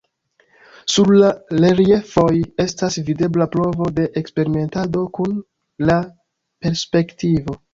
Sur la reliefoj estas videbla provo je eksperimentado kun la perspektivo.